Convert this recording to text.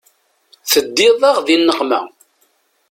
Teddiḍ-aɣ di nneqma.